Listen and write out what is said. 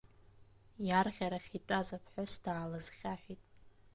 Иарӷьарахь итәаз аԥҳәыс даалызхьаҳәит.